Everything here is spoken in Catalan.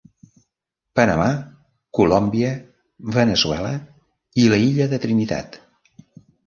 Panamà, Colòmbia, Veneçuela i l'Illa de Trinitat.